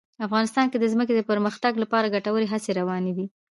افغانستان کې د ځمکه د پرمختګ لپاره ګټورې هڅې روانې دي.